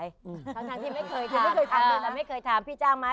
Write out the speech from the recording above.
ทั้งที่ไม่เคยทำเลยล่ะ